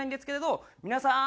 「皆さん